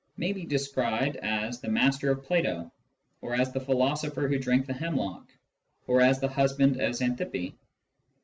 may be described as " the master of Plato," or as " the philosopher who drank the hemlock," or as " the husband of Xantippe."